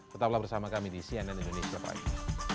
tetaplah bersama kami di cnn indonesia prime